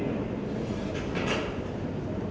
สวัสดีครับ